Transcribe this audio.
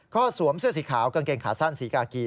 ก็สวมเสื้อสีขาวกางเกงขาสั้นสีกากี